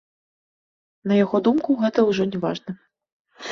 На яго думку, гэта ўжо не важна.